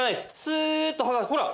スーッと刃がほら。